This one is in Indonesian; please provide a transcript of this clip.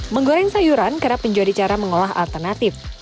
menggoreng sayuran kerap menjadi cara mengolah alternatif